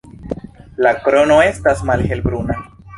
La krono estas malhelbruna.